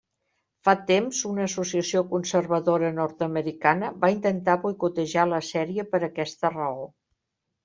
Fa temps, una associació conservadora nord-americana va intentar boicotejar la sèrie per aquesta raó.